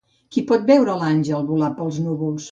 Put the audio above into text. Qui pot veure l'àngel volar pels núvols?